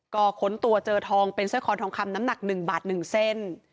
ก่อขนตัวเจอทองเป็นเสื้อคอนทองคำน้ำหนักหนึ่งบาทหนึ่งเส้น